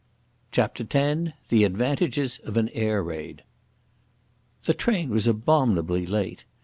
CHAPTER X The Advantages of an Air Raid The train was abominably late.